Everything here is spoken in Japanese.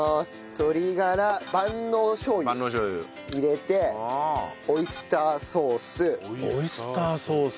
鶏がら万能しょう油入れてオイスターソース。